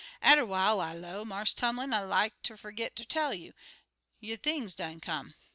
"Atter while, I low, 'Marse Tumlin, I like ter forgot ter tell you you' things done come.'